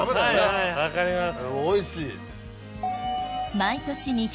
はいはい分かります。